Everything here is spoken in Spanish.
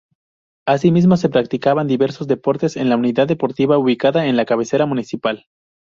Asimismo, se practican diversos deportes en la unidad deportiva ubicada en la cabecera municipal.